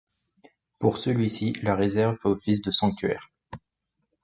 Pour celui-ci, la réserve fait office de sanctuaire.